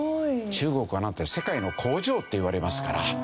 中国はだって世界の工場っていわれますから。